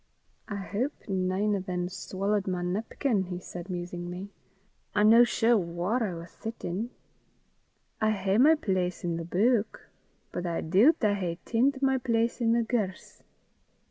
"I houp nane o' them's swallowed my nepkin!" he said musingly. "I'm no sure whaur I was sittin'. I hae my place i' the beuk, but I doobt I hae tint my place i' the gerse."